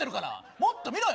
もっと見ろよ！